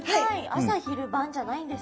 朝昼晩じゃないんですね。